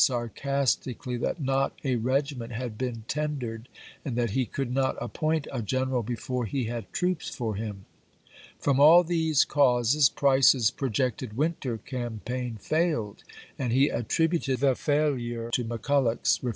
sarcastically that not a regiment had been ten p^^g dered, and that he could not appoint a general fsl.^i^im% before he had troops for him. From all these viii.,'p.734. causes Price's projected winter campaign failed, Price and he attributed the failure to McCuUoch's re ,,i?ec.23' lool.